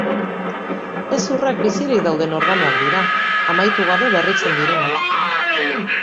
Hezurrak bizirik dauden organoak dira, amaitu gabe berritzen direnak.